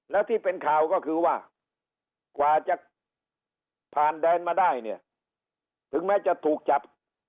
แล้วที่เป็นข่าวก็คือว่ากว่าจะผ่านแดนมาได้เนี่ยถึงแม้จะถูกจับ